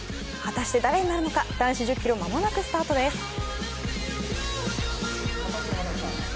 果たして誰になるのか男子１０ｋｍ間もなくスタートです。